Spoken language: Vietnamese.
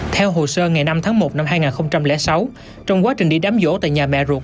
theo hồ sơ ngày năm tháng một năm hai nghìn sáu trong quá trình đi đám vỗ tại nhà mẹ ruột